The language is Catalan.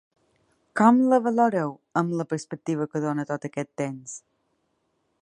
Com la valoreu, amb la perspectiva que dóna tot aquest temps?